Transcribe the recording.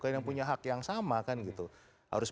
yang punya hak yang sama kan gitu harus